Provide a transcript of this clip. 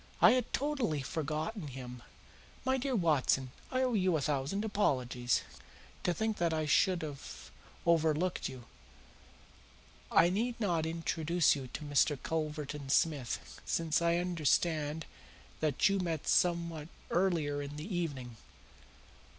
"I had totally forgotten him. My dear Watson, I owe you a thousand apologies. To think that I should have overlooked you! I need not introduce you to Mr. Culverton Smith, since I understand that you met somewhat earlier in the evening.